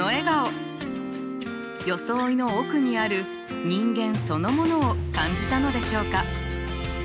装いの奥にある人間そのものを感じたのでしょうか？